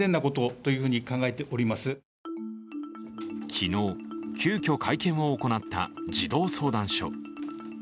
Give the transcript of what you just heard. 昨日、急きょ会見を行った児童相談所。